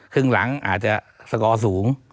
ครึ่งหลังอาจจะสกอร์สูง